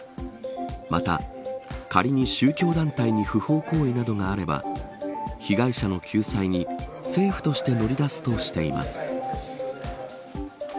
また仮に、宗教団体に不法行為などがあれば被害者の救済に政府として乗り出すとしています。